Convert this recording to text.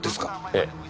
ええ